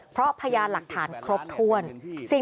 เพราะพรายาห์หลักฐานครบท่วน